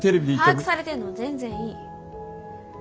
把握されてんのは全然いい。